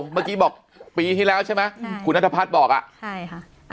เมื่อกี้บอกปีที่แล้วใช่ไหมคุณนัทพัฒน์บอกอ่ะใช่ค่ะ